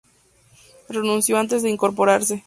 Renunció antes de incorporarse.